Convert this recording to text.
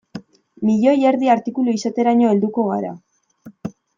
Milioi erdi artikulu izateraino helduko gara.